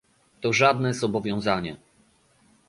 To żadne zobowiązanie